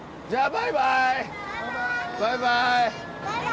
・バイバーイ。